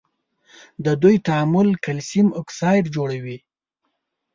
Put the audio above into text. د دوی تعامل کلسیم اکساید جوړوي.